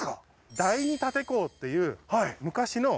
第二竪坑っていう昔の。